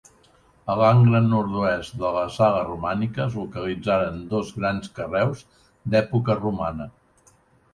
A l'angle nord-oest de la sala romànica es localitzaren dos grans carreus d'època romana.